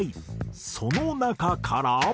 その中から。